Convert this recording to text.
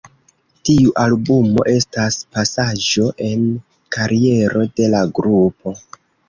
Tiu albumo estas pasaĵo en kariero de la grupo.